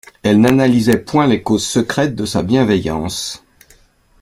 Elle n'analysait point les causes secrètes de sa bienveillance.